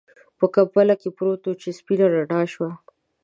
په کمپله کې پروت و چې سپينه رڼا شوه.